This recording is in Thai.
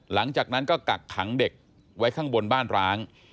หลังจากนั้นก็กักขังเด็กไว้ข้างบนบ้านร้าง